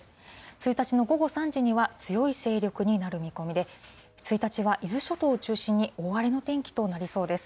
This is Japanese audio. １日の午後３時には、強い勢力になる見込みで、１日は伊豆諸島を中心に大荒れの天気となりそうです。